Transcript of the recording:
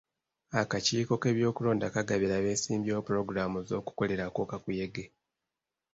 Akakiiko k'ebyokulonda kagabira abeesimbyewo pulogulaamu z'okukolerako kakuyege.